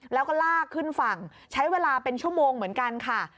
แล้วก็ลากขึ้นฝั่งใช้เวลาเป็นชั่วโมงเหมือนกันค่ะ